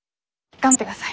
頑張ってください。